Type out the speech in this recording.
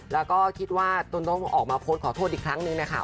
แล้วก็คิดว่าตนต้องออกมาโพสต์ขอโทษอีกครั้งนึงนะคะ